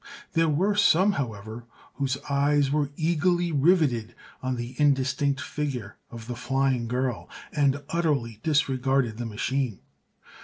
There were some, however, whose eyes were eagerly rivetted on the indistinct figure of the flying girl and utterly disregarded the machine.